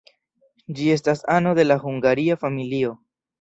Ĝi estas ano de la hungaria familio.